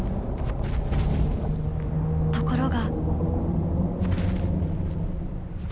ところが。